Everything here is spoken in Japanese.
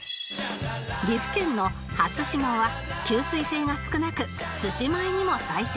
岐阜県のハツシモは吸水性が少なくすし米にも最適